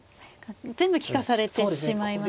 全部利かされてしまいますよね。